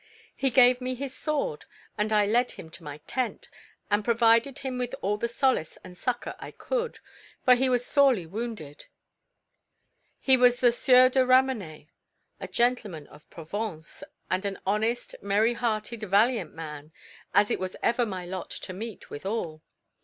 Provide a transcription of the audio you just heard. He gave me his sword; and I led him to my tent, and provided him with all the solace and succour I could, for he was sorely wounded. He was the Sieur de Ramenais; a gentleman of Provence, and an honest, merry hearted, valiant man, as it was ever my lot to meet withal.